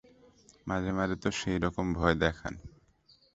মাঝে মাঝে তো সেইরকম ভয় দেখান।